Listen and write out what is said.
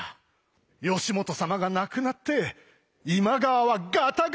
義元様が亡くなって今川はガタガタじゃ！